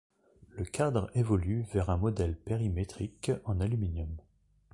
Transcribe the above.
Le cadre évolue vers un modèle périmétrique en aluminium.